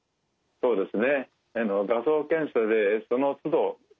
そうですね。